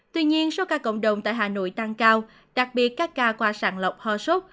tuy nhiên số ca cộng đồng tại hà nội tăng cao đặc biệt các ca qua sàng lọc ho sốt